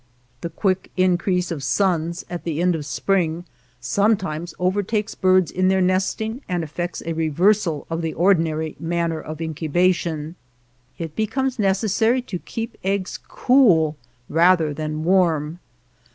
The quick increase of suns at the end of spring sometimes over takes birds in their nesting and effects a 14. THE LAND OF LITTLE RAIN reversal of the ordinary manner of incuba tion. It becomes necessary to keep eggs cool rather than warm.